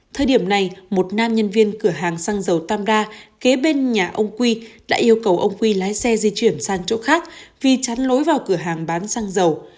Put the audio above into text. thời điểm này một nam nhân viên cửa hàng xăng dầu tam đa kế bên nhà ông quy đã yêu cầu ông quy lái xe di chuyển sang chỗ khác vì chắn lối vào cửa hàng bán xăng dầu